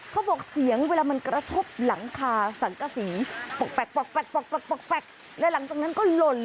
เขาบอกเสียงเวลามันกระทบหลังคาสังกะสิงปั๊ก